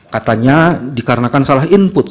katanya dikarenakan salah input